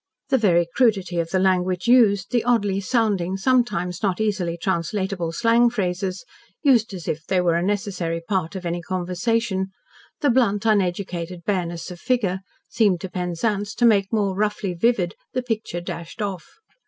The very crudity of the language used, the oddly sounding, sometimes not easily translatable slang phrases, used as if they were a necessary part of any conversation the blunt, uneducated bareness of figure seemed to Penzance to make more roughly vivid the picture dashed off.